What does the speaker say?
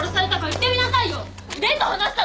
言ってみなさいよ！